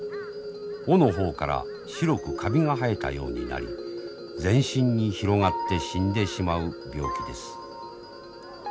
尾の方から白くカビが生えたようになり全身に広がって死んでしまう病気です。